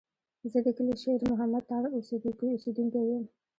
زه د کلي شېر محمد تارڼ اوسېدونکی یم.